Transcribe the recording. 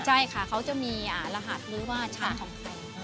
ใช่ค่ะเค้าจะมีระหาคลิกจามของใคร